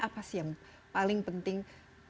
apa sih yang paling penting